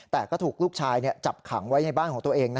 แต่ก็ถูกลูกชายจับขังไว้ในบ้านของตัวเอง